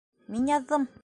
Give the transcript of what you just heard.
Мин яҙҙым.